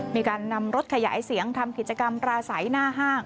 มีการนำรถขยายเสียงทำกิจกรรมราศัยหน้าห้าง